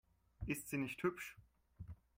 Ist sie nicht hübsch?